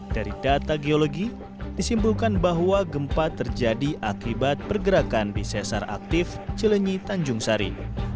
dari data geologi disimpulkan bahwa gempa terjadi akibat pergerakan bisesar aktif celenyi tanjung sari